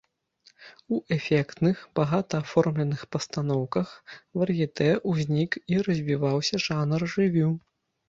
У эфектных, багата аформленых пастаноўках вар'етэ ўзнік і развіўся жанр рэвю.